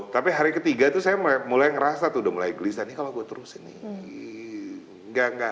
tapi hari ketiga saya mulai merasa sudah mulai glissan ini kalau saya terusin nih